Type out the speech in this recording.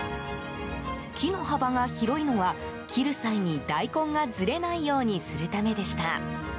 木の幅が広いのは、切る際に大根がずれないようにするためでした。